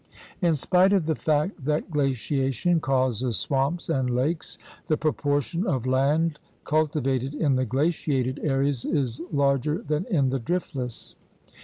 In spite of the fact that glaciation causes swamps and lakes, the proportion of land cultivated in the glaciated areas is larger than in the driftless.